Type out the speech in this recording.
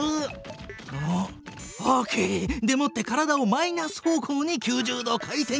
オッオッケー！でもって体をマイナス方向に９０度回転！